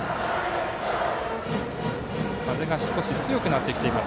風が少し強くなってきています。